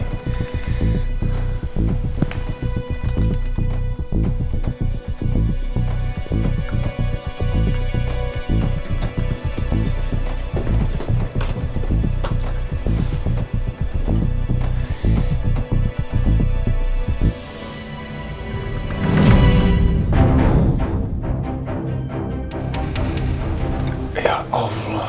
nunggu pa eu pokémon